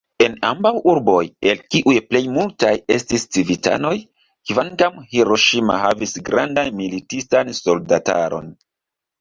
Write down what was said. En ambaŭ urboj, el kiuj plejmultaj estis civitanoj, kvankam Hiroŝima havis grandan militistan soldataron.